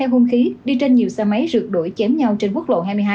hai hung khí đi trên nhiều xe máy rượt đuổi chém nhau trên quốc lộ hai mươi hai